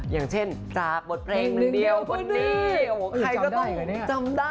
อย่างเช่นจ้าบทเพลงหนึ่งเดียวตัวนี้